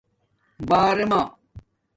بݳرمݳ